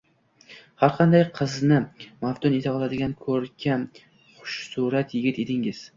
Har qanday qizni maftun eta oladigan ko`rkam, xushsurat yigit edingiz